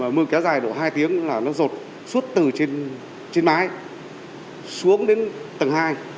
mà mưa kéo dài đủ hai tiếng là nó rột suốt từ trên mái xuống đến tầng hai